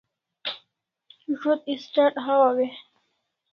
Zo't start hawaw e?